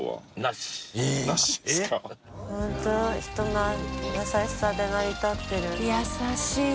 本当人の優しさで成り立ってる。